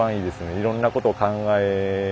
いろんなことを考え